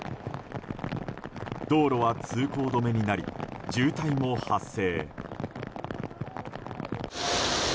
道路は通行止めになり渋滞も発生。